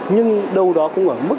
nhưng đâu đó cũng ở mức